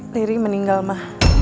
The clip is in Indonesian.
liri meninggal ma